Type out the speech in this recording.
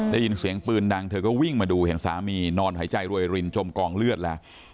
ได้ยินเสียงปืนดังเธอก็วิ่งมาดูเห็นสามีนอนหายใจรวยรินจมกองเลือดแล้ว